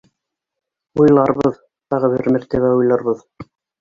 Уйларбыҙ, тағы бер мәртә- бә уйларбыҙ